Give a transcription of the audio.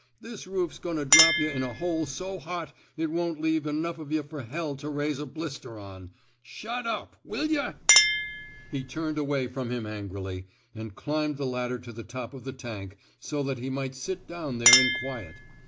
This roof 's goin' to drop yuh in a hole so hot it won't leave enough of yuh fer hell to raise a blister on. Shut up, will yuh! " He turned away from him angrily, and climbed the ladder to the top of the tank, so that he might sit down there in quiet.